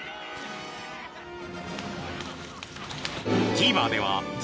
ＴＶｅｒでは『ザ！